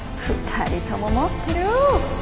２人とも持ってる！